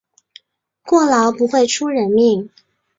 过劳不会出人命